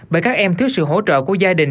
bởi các em thiếu sự hỗ trợ của gia đình